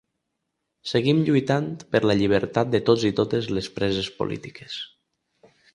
Seguim lluitant per la llibertat de tots i totes les preses polítiques.